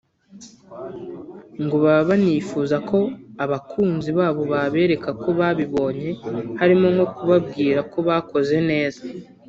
ngo baba banifuza ko abakunzi babo babereka ko babibonye harimo nko kubabwira ko bakoze neza